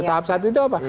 tahap satu itu apa